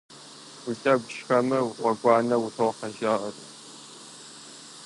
Уи лъэгу шхэмэ, гъуэгуанэ утохьэ жаӀэрт.